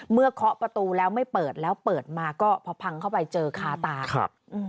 เคาะประตูแล้วไม่เปิดแล้วเปิดมาก็พอพังเข้าไปเจอคาตาครับ